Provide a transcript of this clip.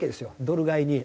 ドル買いに。